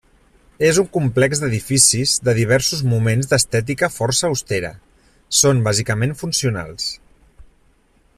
És un complex d'edificis de diversos moments d'estètica força austera, són bàsicament funcionals.